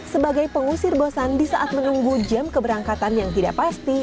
sebagai pengusir bosan di saat menunggu jam keberangkatan yang tidak pasti